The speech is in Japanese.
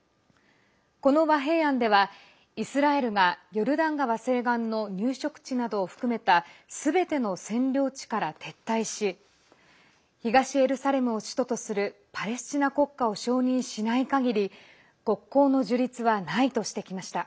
この和平案ではイスラエルがヨルダン川西岸の入植地などを含めたすべての占領地から撤退し東エルサレムを首都とするパレスチナ国家を承認しないかぎり国交の樹立はないとしてきました。